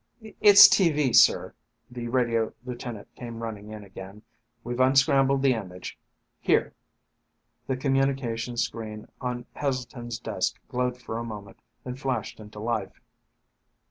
"It's tv, sir!" The radio lieutenant came running in again. "We've unscrambled the image. Here!" The communications screen on Heselton's desk glowed for a moment, then flashed into life.